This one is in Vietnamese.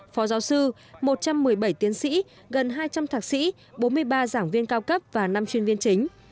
phó giáo sư một trăm một mươi bảy tiến sĩ gần hai trăm linh thạc sĩ bốn mươi ba giảng viên cao cấp và năm chuyên viên chính